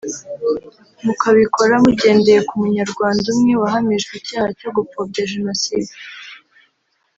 mukabikora mugendeye ku Munyarwanda umwe wahamijwe icyaha cyo gupfobya Jenoside